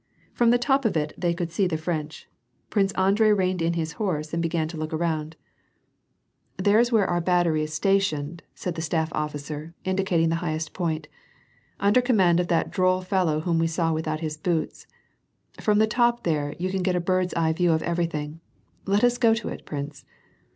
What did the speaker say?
From the top of it, they could see the French. Prince Andrei reined in his horse and began to look around. 206 WAR AND PEACE. "There's where our battery is stationed," said the staff officer, indicating the highest point, — "under command of that droll fellow whom we saw without his boots. From the top there, you can get a bird's eye view of everything : let us go to it, prince."